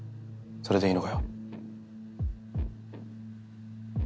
それでいいのか？